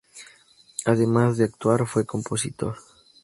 Además de actuar, fue compositor.